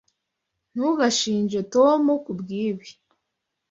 Ntugashinje Tom kubwibi.